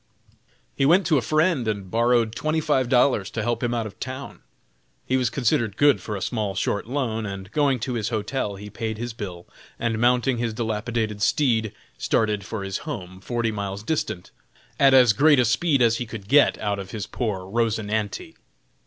He went to a friend and borrowed twenty five dollars to help him out of town. He was considered good for a small short loan; and going to his hotel, he paid his bill, and mounting his dilapidated steed, started for his home, forty miles distant, at as great a speed as he could get out of his poor "Rosinante."